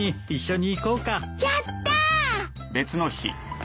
やった！